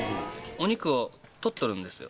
お肉を取っとるんですよ。